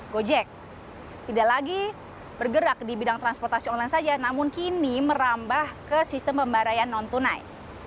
gojek tidak lagi bergerak di bidang transportasi online saja namun kini merambah ke sistem pembarayan non tunai